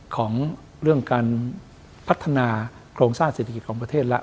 ของเรื่องการพัฒนาโครงสร้างเศรษฐกิจของประเทศแล้ว